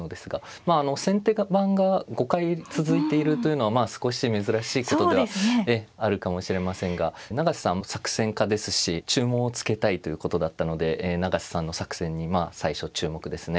まああの先手番が５回続いているというのは少し珍しいことではあるかもしれませんが永瀬さんも作戦家ですし注文をつけたいということだったので永瀬さんの作戦に最初注目ですね。